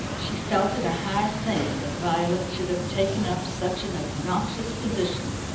She felt it a hard thing that Violet should have taken up such an obnoxious position.